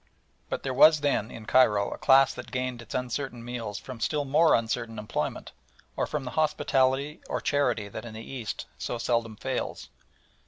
But there was then in Cairo a class that gained its uncertain meals from still more uncertain employment, or from the hospitality or charity that in the East so seldom fails.